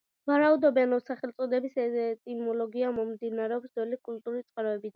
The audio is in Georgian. ვარაუდობენ, რომ სახელწოდების ეტიმოლოგია მომდინარეობს ძველი კელტური წყაროებიდან.